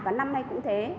và năm nay cũng thế